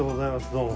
どうも。